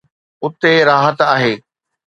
اتي راحت آهي.